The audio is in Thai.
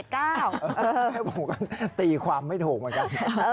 ผมก็ตีความไม่ถูกเหมือนกัน